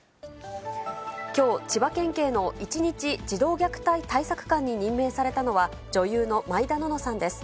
きょう、千葉県警の一日児童虐待対策官に任命されたのは、女優の毎田暖乃さんです。